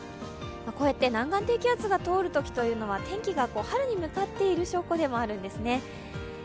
こうやって南岸低気圧が通るときは天気が春に向かっている証拠でもあるんですね。